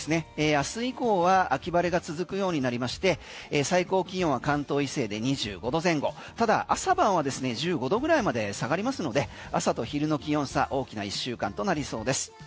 明日以降は秋晴れが続くようになりまして最高気温は関東以西で２５度前後ただ、朝晩は１５度ぐらいまで下がりますので朝と昼の気温差大きな１週間となりそうです。